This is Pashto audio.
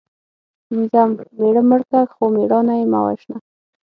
پنځم:مېړه مړ که خو مړانه یې مه وژنه